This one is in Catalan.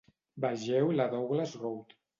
Vegeu la Douglas Road.